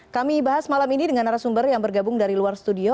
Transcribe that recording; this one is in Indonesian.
kami bahas malam ini dengan arah sumber yang bergabung dari luar studio